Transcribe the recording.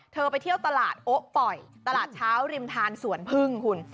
ไปเที่ยวตลาดโอ๊ป่อยตลาดเช้าริมทานสวนพึ่งคุณ